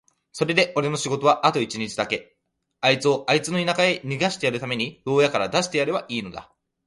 それでおれの仕事はあと一日だけ、あいつをあいつの田舎へ逃してやるために牢屋から出してやればいいのだ。